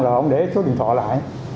thì ông để số điện thoại lại